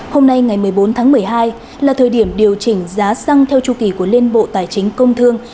hôm nay ngày một mươi bốn tháng một mươi hai là thời điểm điều chỉnh giá xăng theo chu kỳ của liên bộ tài chính công thương